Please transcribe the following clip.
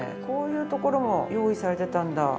こういうところも用意されてたんだ。